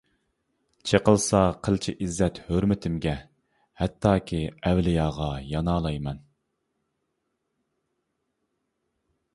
چېقىلسا قىلچە ئىززەت-ھۆرمىتىمگە، ھەتتاكى ئەۋلىياغا يانالايمەن.